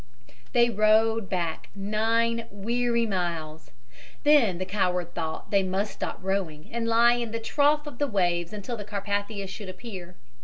They rowed back nine weary miles. Then the coward thought they must stop rowing, and lie in the trough of the waves until the Carpathia should appear.